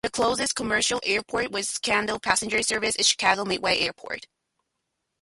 The closest commercial airport with scheduled passenger service is Chicago Midway Airport.